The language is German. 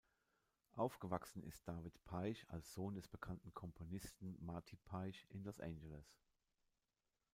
Aufgewachsen ist David Paich als Sohn des bekannten Komponisten Marty Paich in Los Angeles.